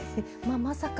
まさか。